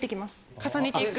重ねていく。